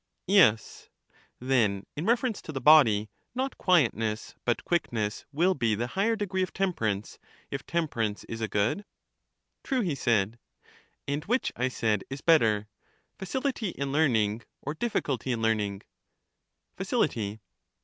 Yes. Then, in reference to the body, not quietness, but quickness will be the higher degree of temperance, if temperance is a good? True, he said. And which, I said, is better — facility in learning, or diflSculty in learning? Facility.